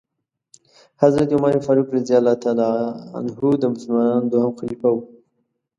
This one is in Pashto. حضرت عمرفاروق رضی الله تعالی عنه د مسلمانانو دوهم خليفه وو .